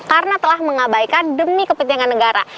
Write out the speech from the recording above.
karena telah mengabaikan demi kepentingan negara